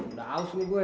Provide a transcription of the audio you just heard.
udah aus gue